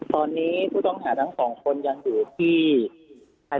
ตอนนี้ผู้ต้องหาทั้งสองคนยังอยู่ที่ไทย